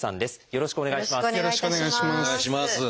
よろしくお願いします。